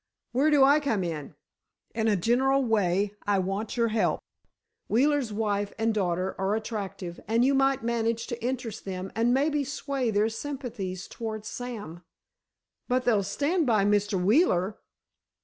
"Where do I come in?" "In a general way, I want your help. Wheeler's wife and daughter are attractive, and you might manage to interest them and maybe sway their sympathies toward Sam——" "But they'll stand by Mr. Wheeler?"